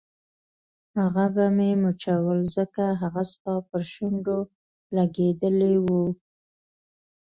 هغه به مې مچول ځکه هغه ستا پر شونډو لګېدلي وو.